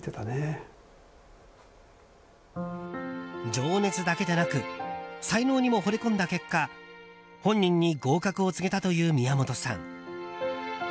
情熱だけでなく才能にもほれ込んだ結果本人に合格を告げたという宮本さん。